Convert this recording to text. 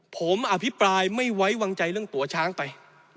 ผมอภิปรายไม่ไว้วางใจเรื่องตัวช้างไป